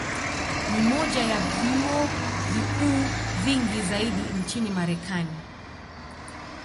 Ni moja ya vyuo vikuu vingi zaidi nchini Marekani.